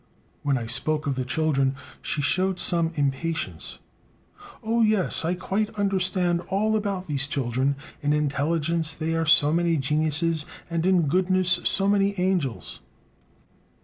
When I spoke of the children, she showed some impatience: "Oh, yes, I quite understand all about these children; in intelligence they are so many geniuses, and in goodness so many angels."